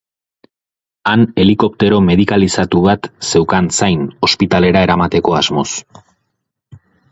Han helikoptero medikalizatu bat zeukan zain ospitalera eramateko asmoz.